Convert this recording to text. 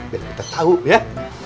biar kita tahu ya